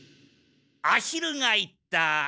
アヒルが言った。